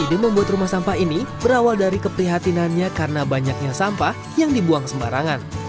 ide membuat rumah sampah ini berawal dari keprihatinannya karena banyaknya sampah yang dibuang sembarangan